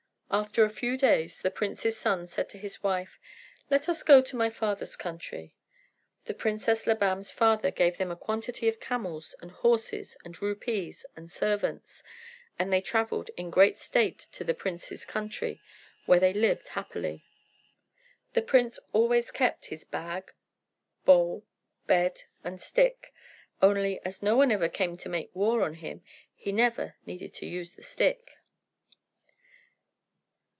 After a few days the prince's son said to his wife, "Let us go to my father's country." The Princess Labam's father gave them a quantity of camels and horses and rupees and servants; and they travelled in great state to the prince's country, where they lived happily. The prince always kept his bag, bowl, bed, and stick; only, as no one ever came to make war on him, he never needed to use the stick.